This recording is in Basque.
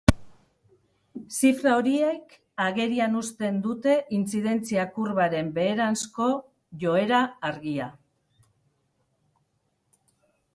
Zifra horiek agerian uzten dute intzidentzia-kurbaren beheranzko joera argia.